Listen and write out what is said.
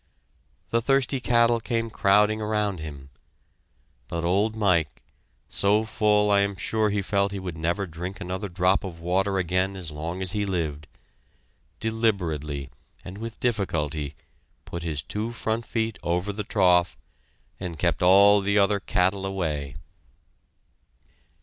The thirsty cattle came crowding around him, but old Mike, so full I am sure he felt he would never drink another drop of water again as long as he lived, deliberately and with difficulty put his two front feet over the trough and kept all the other cattle away....